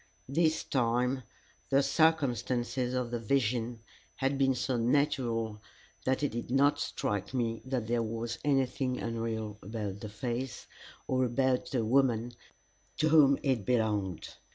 This time the circumstances of the vision had been so natural that it did not strike me that there was anything unreal about the face, or about the woman to whom it belonged.